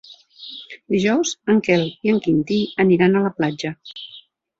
Dijous en Quel i en Quintí aniran a la platja.